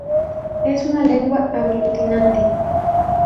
Es una lengua aglutinante.